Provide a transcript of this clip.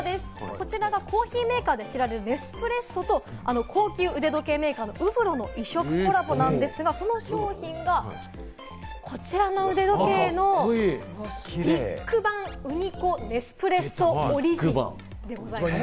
こちらはコーヒーメーカーで知られるネスプレッソと高級腕時計メーカー・ウブロの異色コラボなんですが、こちら「ビッグ・バンウニコネスプレッソオリジン」でございます。